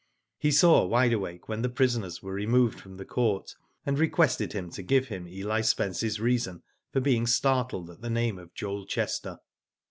He saw Wide Awake when the prisoners were removed from the court, and requested him to give him Eli Spencers reason for being startled at the name of Joel Chester.